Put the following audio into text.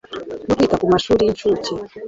No kwita ku mashuli y inshuke